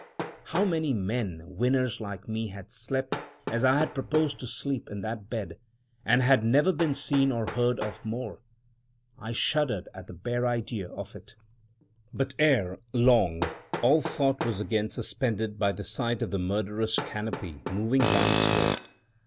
How many men, winners like me, had slept, as I had proposed to sleep, in that bed, and had never been seen or heard of more! I shuddered at the bare idea of it. But, ere long, all thought was again suspended by the sight of the murderous canopy moving once more.